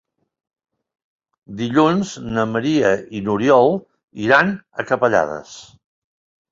Dilluns na Maria i n'Oriol iran a Capellades.